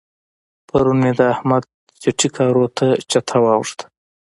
پرون مې د احمد چټي کارو ته چته واوښته.